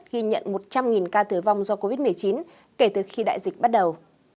ghi nhận một trăm linh ca tử vong do covid một mươi chín kể từ khi đại dịch bắt đầu